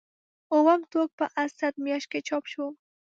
اووم ټوک په اسد میاشت کې چاپ شو.